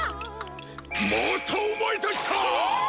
またおまえたちか！ひえ！